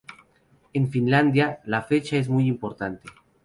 En Finlandia, la fecha es muy importante.